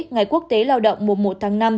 ngày quốc tế lao động mùa một tháng năm